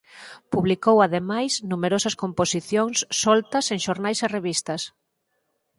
Publicou ademais numerosas composicións soltas en xornais e revistas.